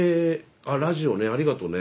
あラジオねありがとね。